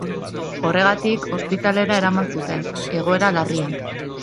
Horregatik, ospitalera eraman zuten, egoera larrian.